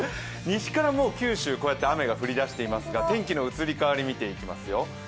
西から九州、もう雨が降り出していますが、天気の移り変わり見ていきますよ。